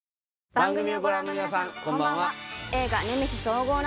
番組をご覧の皆さんこんばんは。